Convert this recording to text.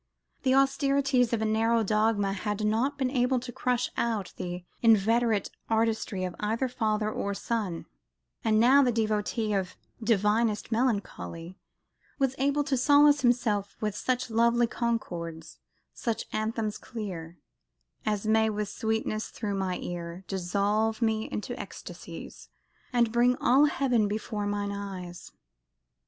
The austerities of a narrow dogma had not been able to crush out the inveterate artistry of either father or son: and now the devotee of "divinest Melancholy" was able to solace himself with such lovely concords, such "anthems clear," "As may with sweetness, through mine ear, Dissolve me into ecstasies, And bring all heaven before mine eyes."